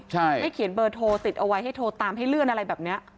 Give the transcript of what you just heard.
ใช่ให้เขียนเบอร์โทรติดเอาไว้ให้โทรตามให้เลื่อนอะไรแบบนี้